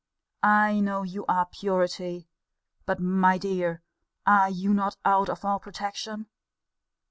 I know your purity But, my dear, are you not out of all protection?